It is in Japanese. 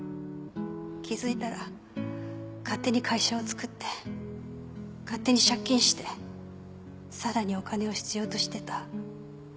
気付いたら勝手に会社をつくって勝手に借金してさらにお金を必要としてた